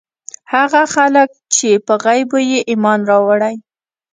هغه خلک چې په غيبو ئې ايمان راوړی